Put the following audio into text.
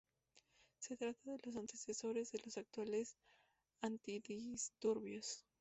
Se trata de los antecesores de los actuales antidisturbios.